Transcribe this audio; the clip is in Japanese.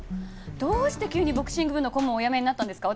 どうして急にボクシング部の顧問お辞めになったんですか？